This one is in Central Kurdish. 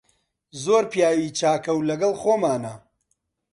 زۆر پیاوی چاکە و لەگەڵ خۆمانە.